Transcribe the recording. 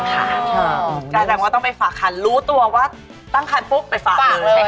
กลายเป็นว่าต้องไปฝากคันรู้ตัวว่าตั้งคันปุ๊บไปฝากเลย